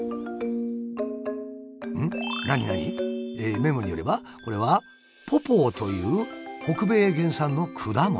メモによればこれは「ポポー」という北米原産の果物。